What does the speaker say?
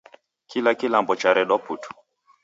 Kila kilambo charedwa putu